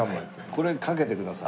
これかけてください。